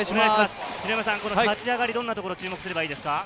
立ち上がり、どんなところに注目したらいいですか？